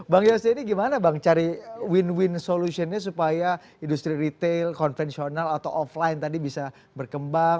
bang yose ini gimana bang cari win win solutionnya supaya industri retail konvensional atau offline tadi bisa berkembang